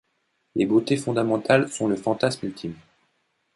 Les Beautés fondamentales sont le fantasme ultime.